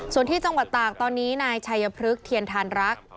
ส่วนที่จังหวัดตากตอนนี้นายชัยพฤกษ์เทียนทานรัก